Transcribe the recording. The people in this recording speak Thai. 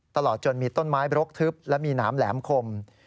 ตลอดจนมีต้นไม้บรกทึบและมีหนามแหลมคม